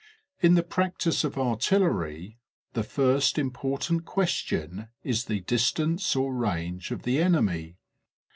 . In the practice of artillery, the first important question is the distance or range of the enemy.